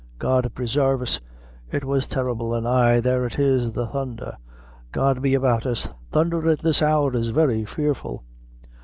God presarve us! it was terrible an' ay, there it is the thundher! God be about us, thundher at this hour is very fearful.